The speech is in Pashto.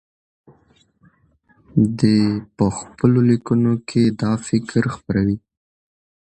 دی په خپلو لیکنو کې دا فکر خپروي.